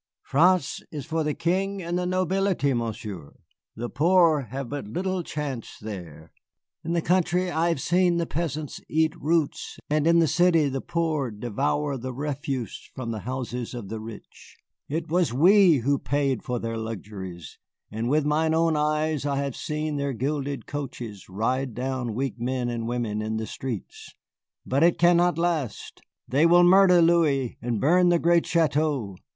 "France is for the King and the nobility, Monsieur. The poor have but little chance there. In the country I have seen the peasants eat roots, and in the city the poor devour the refuse from the houses of the rich. It was we who paid for their luxuries, and with mine own eyes I have seen their gilded coaches ride down weak men and women in the streets. But it cannot last. They will murder Louis and burn the great châteaux.